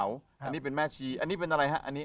อันนี้เป็นแม่ชีอันนี้เป็นอะไรฮะ